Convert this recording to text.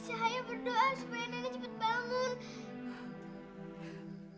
cahaya berdoa supaya nenek cepat bangun